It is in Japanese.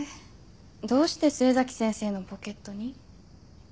どうして末崎先生のポケットに？